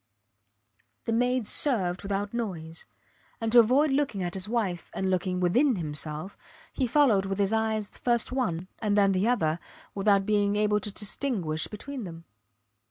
The maids served without noise; and to avoid looking at his wife and looking within himself, he followed with his eyes first one and then the other without being able to distinguish between them.